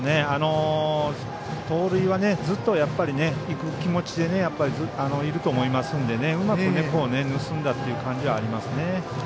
盗塁は、ずっといく気持ちでいると思いますのでうまく盗んだという感じがありますね。